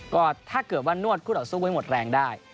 ก็ถ้าเกิดว่านวดคู่ต่อสู้ไว้หมดแรงได้